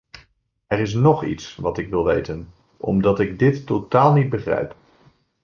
Er is nog iets wat ik wil weten, omdat ik dit totaal niet begrijp.